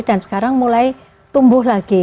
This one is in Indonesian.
dan sekarang mulai tumbuh lagi